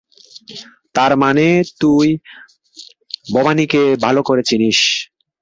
তার মানে, তুই ভবানিকে ভালো করে চিনিস।